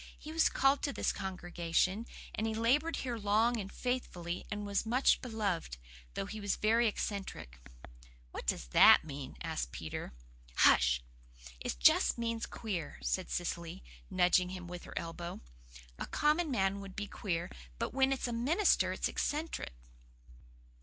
He was called to this congregation, and he laboured here long and faithfully, and was much beloved, though he was very eccentric." "What does that mean?" asked Peter. "Hush! It just means queer," said Cecily, nudging him with her elbow. "A common man would be queer, but when it's a minister, it's eccentric."